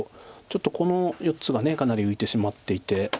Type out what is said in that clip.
ちょっとこの４つがかなり浮いてしまっていて。